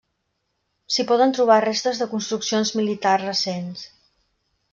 S'hi poden trobar restes de construccions militars recents.